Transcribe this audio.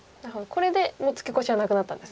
これでもうツケコシはなくなったんですね。